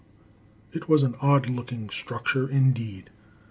It was an odd looking structure, indeed.